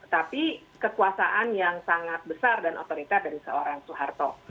tapi kekuasaan yang sangat besar dan otoriter dari seorang soeharto